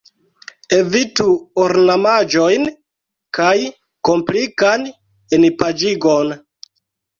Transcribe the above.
Evitu ornamaĵojn kaj komplikan enpaĝigon.